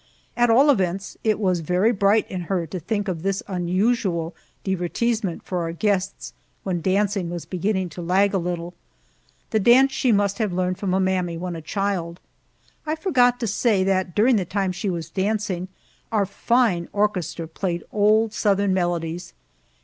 At all events, it was very bright in her to think of this unusual divertissement for our guests when dancing was beginning to lag a little. The dance she must have learned from a mammy when a child. I forgot to say that during the time she was dancing our fine orchestra played old Southern melodies.